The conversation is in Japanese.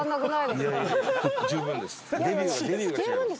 十分です。